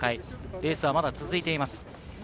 レースはまだ続いています。